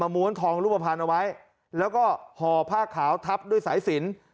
ม้วนทองรูปภัณฑ์เอาไว้แล้วก็ห่อผ้าขาวทับด้วยสายสิน